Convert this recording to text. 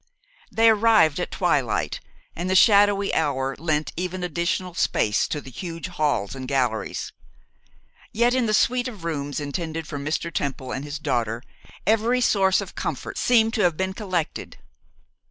They arrived at twilight, and the shadowy hour lent even additional space to the huge halls and galleries. Yet in the suite of rooms intended for Mr. Temple and his daughter, every source of comfort seemed to have been collected.